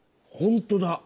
ほんとだ。